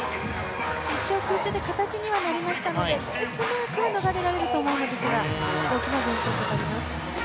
一応、空中で形にはなりましたのでベースマークは逃れられるかと思いますが大きな減点となります。